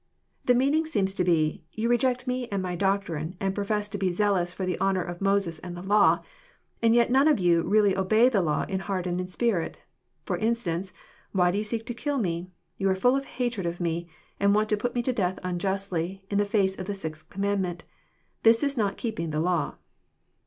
The meaning seems to be, " Youjc^ject me and my doctrine, and profess to be zealous for the honour of Moses and the law. And yet none of you really obey the law in heart and in spirit. For instance: why do you seek to kill me ? You are full of hatred of me, and want to put me to death unjustly, in the face of the sixth commandment, ^his is not keeping the law."